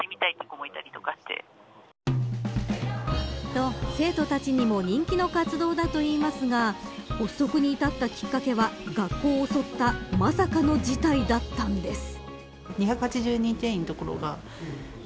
と、生徒たちにも人気の活動だといいますが発足に至ったきっかけは学校を襲ったまさかの事態だったのです。